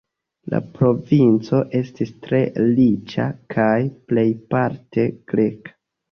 La provinco estis tre riĉa kaj plejparte greka.